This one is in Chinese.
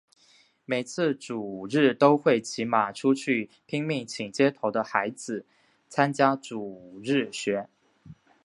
每次主日都会骑马出去拼命请街头的孩子参加主日学。